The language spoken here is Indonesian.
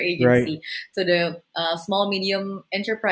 agensi keusahawanan kecil dan sederhana